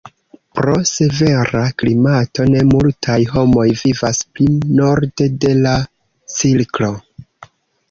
Pro severa klimato ne multaj homoj vivas pli norde de la cirklo.